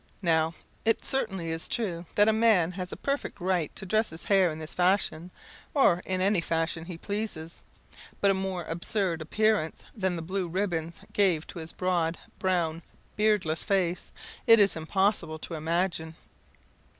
Now, it certainly is true that a man has a perfect right to dress his hair in this fashion, or in any fashion he pleases; but a more absurd appearance than the blue ribbons gave to his broad, brown, beardless face, it is impossible to imagine.